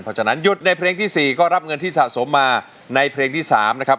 เพราะฉะนั้นหยุดในเพลงที่๔ก็รับเงินที่สะสมมาในเพลงที่๓นะครับ